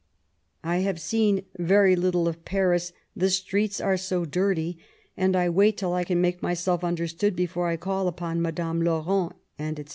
I have seen very little of Paris, the streets are so dirty ; and I wait till I can make myself understood before I call upon Madame Laurent, <fec.